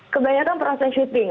kebanyakan proses syuting